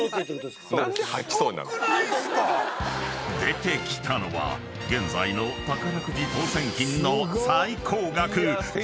すごくないっすか⁉［出てきたのは現在の宝くじ当せん金の最高額］